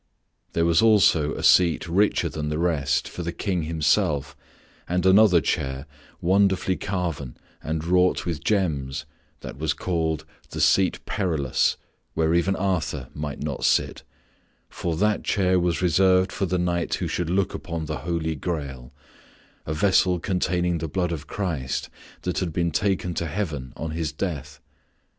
There was also a seat richer than the rest for the King himself and another chair, wonderfully carven and wrought with gems, that was called the "Seat Perilous," where even Arthur might not sit for that chair was reserved for the knight who should look upon the "Holy Grail," a vessel containing the blood of Christ that had been taken to Heaven on his death.